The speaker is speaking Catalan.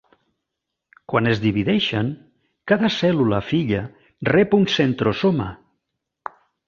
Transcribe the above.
Quan es divideixen, cada cèl·lula filla rep un centrosoma.